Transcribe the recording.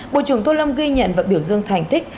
bộ trưởng tô lâm ghi nhận và biểu dương thành tích